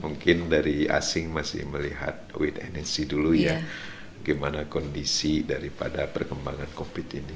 mungkin dari asing masih melihat wait and see dulu ya gimana kondisi daripada perkembangan covid ini